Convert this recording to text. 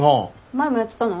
前もやってたの？